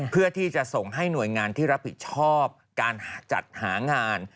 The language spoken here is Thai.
เพื่อที่จะส่งให้หน่วยงานที่รับผิดชอบการจัดหางาน